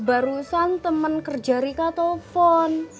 barusan temen kerja rika telfon